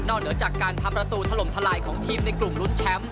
เหนือจากการทำประตูถล่มทลายของทีมในกลุ่มลุ้นแชมป์